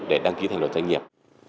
để đăng ký thành luật doanh nghiệp